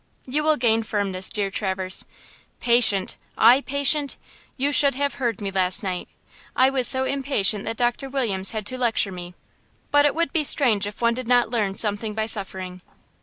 "You will gain firmness, dear Traverse. 'Patient!' I patient! You should have heard me last night! I was so impatient that Doctor Williams had to lecture me. But it would be strange if one did not learn something by suffering.